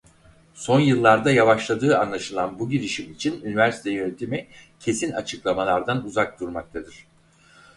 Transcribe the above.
Son yıllarda yavaşladığı anlaşılan bu girişim için üniversite yönetimi kesin açıklamalardan uzak durmaktadır.